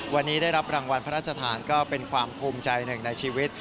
วันนี้ได้รับรางวัลพระราชทานก็เป็นความภูมิใจหนึ่งในชีวิต